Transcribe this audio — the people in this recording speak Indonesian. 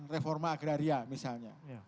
reforma agraria misalnya